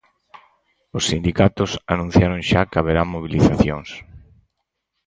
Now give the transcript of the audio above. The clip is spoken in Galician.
Os sindicatos anunciaron xa que haberá mobilizacións.